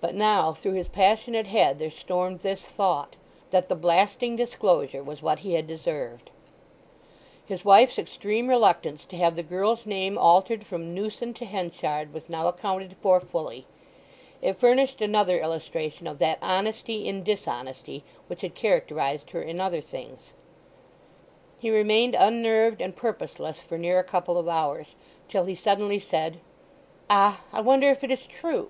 But now through his passionate head there stormed this thought—that the blasting disclosure was what he had deserved. His wife's extreme reluctance to have the girl's name altered from Newson to Henchard was now accounted for fully. It furnished another illustration of that honesty in dishonesty which had characterized her in other things. He remained unnerved and purposeless for near a couple of hours; till he suddenly said, "Ah—I wonder if it is true!"